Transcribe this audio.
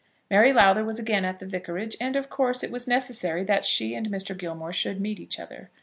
Mary Lowther was again at the vicarage, and of course it was necessary that she and Mr. Gilmore should meet each other.